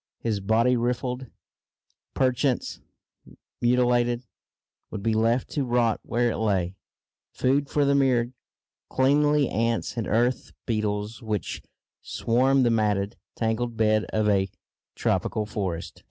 His body, rifled, perchance mutilated, would be left to rot where it lay food for the myriad cleanly ants and earth beetles which swarm the matted, tangled bed of a tropical forest.